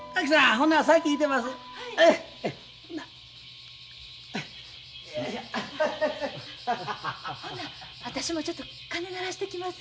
ほな私もちょっと鐘鳴らしてきます。